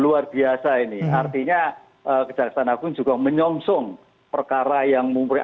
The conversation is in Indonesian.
luar biasa ini artinya ee kejaksaan akung juga menyongsong perkara yang mempunyai